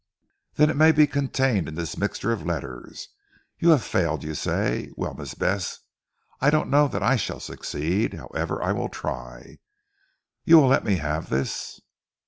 "Then it may be contained in this mixture of letters. You have failed, you say? Well Miss Bess, I don't know that I shall succeed. However I will try. You will let me have this?"